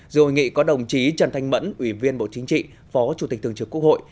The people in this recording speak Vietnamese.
dù hội nghị có đồng chí trần thanh mẫn ủy viên bộ chính trị phó chủ tịch thường trực quốc hội